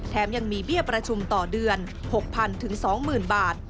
ยังมีเบี้ยประชุมต่อเดือน๖๐๐๐๒๐๐บาท